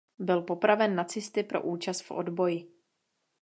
Byl popraven nacisty pro účast v odboji.